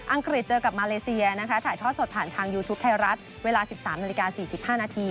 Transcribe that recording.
อังกฤษเจอกับมาเลเซียถ่ายท่อสดผ่านทางยูทูปไทยรัฐเวลา๑๓น๔๕น